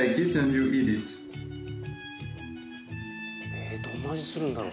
えどんな味するんだろう？